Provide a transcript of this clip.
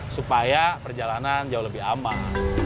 supaya perjalanan jauh lebih aman